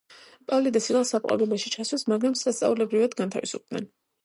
პავლე და სილა საპყრობილეში ჩასვეს, მაგრამ სასწაულებრივად განთავისუფლდნენ.